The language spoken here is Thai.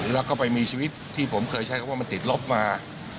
แล้วก็ไปมีชีวิตที่ผมเคยใช้คำว่ามันติดลบมา